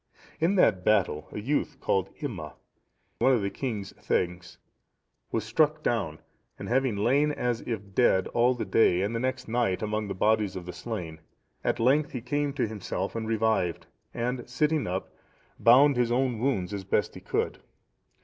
In that battle a youth called Imma, one of the king's thegns, was struck down, and having lain as if dead all that day and the next night among the bodies of the slain, at length he came to himself and revived, and sitting up, bound his own wounds as best as he could.